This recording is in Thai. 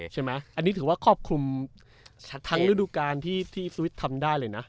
ใช่ไหมอันนี้ถือว่าครอบคลุมทั้งฤดูกาลที่สวิตช์ทำได้เลยนะ